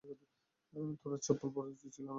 তোর চপ্পল পরা উচিত ছিল না ভাই।